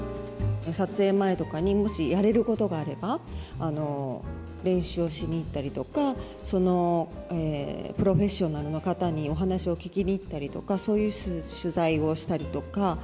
撮影前とかにもしやれることがあれば、練習をしに行ったりとか、そのプロフェッショナルの方にお話を聞きに行ったりとか、そういう取材をしたりとか。